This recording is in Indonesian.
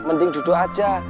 mending duduk aja